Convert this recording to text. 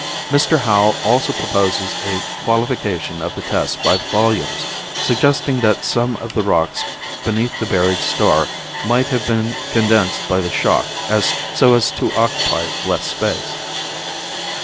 Mr. Howell also proposes a qualification of the test by volumes, suggesting that some of the rocks beneath the buried star might have been condensed by the shock so as to occupy less space.